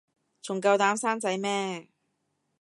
仲夠膽生仔咩